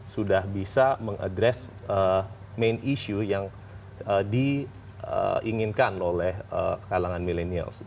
sudah bisa mengadres main issue yang diinginkan oleh kalangan milenial